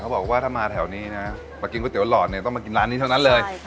บอกว่าถ้ามาแถวนี้นะมากินก๋วหลอดเนี่ยต้องมากินร้านนี้เท่านั้นเลย